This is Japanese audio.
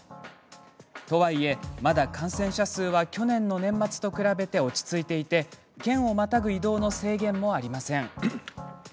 とはいえ、まだ感染者数は去年の年末と比べて落ち着いていて県をまたぐ移動の制限もありません。